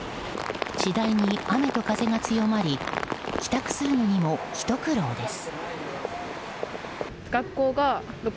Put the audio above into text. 次第に雨と風が強まり帰宅するのにもひと苦労です。